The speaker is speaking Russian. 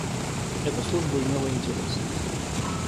Эта служба имела интерес.